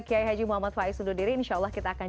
kiai haji muhammad faiz undur diri insyaallah kita akan